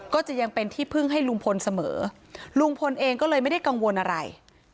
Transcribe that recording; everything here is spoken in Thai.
ก็ยังเป็นที่พึ่งให้ลุงพลเสมอลุงพลเองก็เลยไม่ได้กังวลอะไร